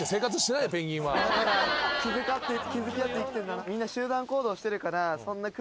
気遣って気付き合って生きてんだな。